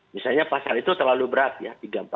misalnya pasal itu terlalu berat ya